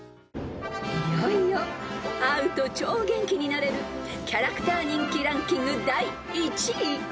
［いよいよ会うと超元気になれるキャラクター人気ランキング第１位］